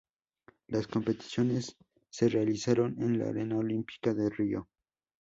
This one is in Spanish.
Las competiciones se realizaron en la Arena Olímpica de Río.